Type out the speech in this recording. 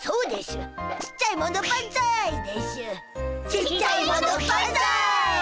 ちっちゃいものばんざい！